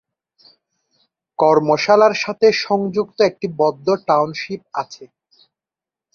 কর্মশালার সাথে সংযুক্ত একটি বদ্ধ টাউনশিপ আছে।